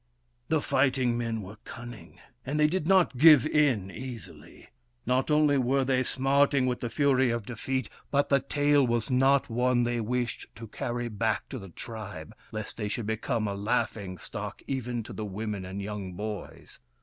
The fighting men were cunning, and they did not give in easily. Not only were they smarting with the fury of defeat, but the tale was not one they wished to carry back to the tribe, lest they should become a laughing stock even to the women and young boys.